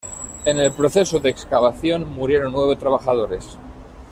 En el proceso de excavación, murieron nueve trabajadores.